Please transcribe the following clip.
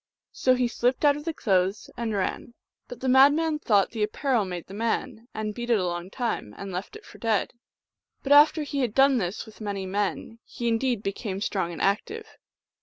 So he slipped out of the clothes and ran ; but the madman thought the apparel made the man, and beat it a long time, and left it for dead. But after he had done this with many men he indeed became strong and active.